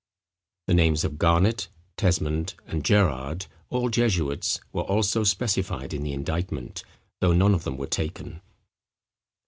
The names of Garnet, Tesmond, and Gerrard, all jesuits, were also specified in the indictment, though none of them were taken.